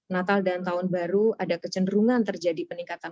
natal dan tahun baru ada kecenderungan terjadi peningkatan